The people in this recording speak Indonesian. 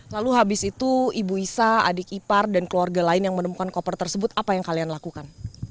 lalu habis itu ibu isa adik ipar dan keluarga lain yang menemukan koper tersebut apa yang kalian lakukan